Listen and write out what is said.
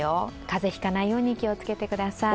風邪ひかないように気をつけてください。